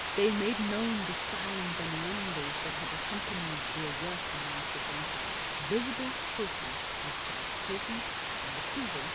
They made known the signs and wonders that had accompanied their work amongst the Gentiles — visible tokens of God's presence and approval.